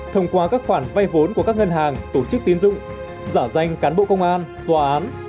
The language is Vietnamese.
thông qua các khoản vay vốn của các ngân hàng tổ chức tiến dụng giả danh cán bộ công an tòa án